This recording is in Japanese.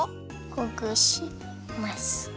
ほぐします！